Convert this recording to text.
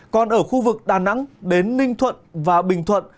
còn ở khu vực đà nẵng đến ninh thuận và bình thuận